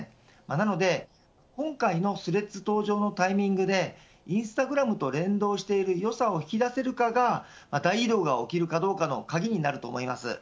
なので今回のスレッズ登場のタイミングでインスタグラムと連動している良さを引き出せるかが大移動が起きるかどうかの鍵になると思います。